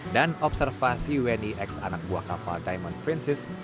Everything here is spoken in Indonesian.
dan observasi wni x anak buah kapal diamond princess